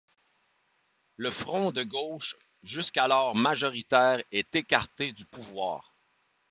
Le front de gauche jusqu'alors majoritaire est écarté du pouvoir.